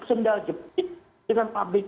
sendal jepit dengan pabrik